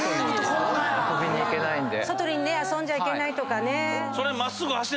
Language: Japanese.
外にね遊んじゃいけないとかね。